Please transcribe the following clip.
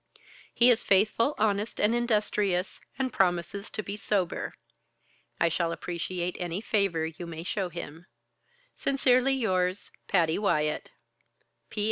He is faithful, honest and industrious, and promises to be sober. I shall appreciate any favor you may show him. "Sincerely yours, "PATTY WYATT."